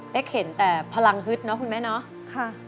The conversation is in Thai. เห็นแต่พลังฮึดเนาะคุณแม่เนาะ